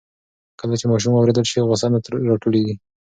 کله چې ماشوم واورېدل شي, غوسه نه راټولېږي.